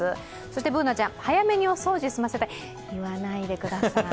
Ｂｏｏｎａちゃん、早めにお掃除済ませたい言わないでください。